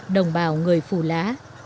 đồng bào người phù lá